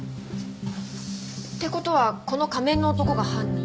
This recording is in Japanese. って事はこの仮面の男が犯人？